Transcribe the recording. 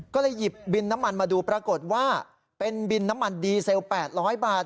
ก็เลยหยิบบินน้ำมันมาดูปรากฏว่าเป็นบินน้ำมันดีเซล๘๐๐บาท